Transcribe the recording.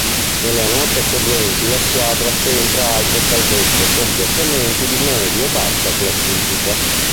Nelle annate seguenti la squadra centra altre salvezze con piazzamenti di medio-bassa classifica.